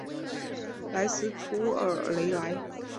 莱斯图尔雷莱。